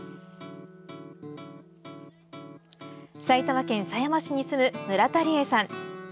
埼玉県狭山市に住む村田里依さん。